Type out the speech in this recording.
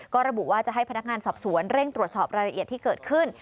ก็ระบุว่าจะให้พนักงานสอบสวนเร่งตรวจสอบรายละเอียดที่เกิดขึ้น